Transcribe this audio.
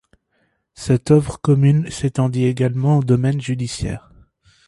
Cette œuvre commune s'étendit également au domaine judiciaire.